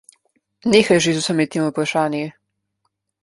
Nehaj že z vsemi temi vprašanji.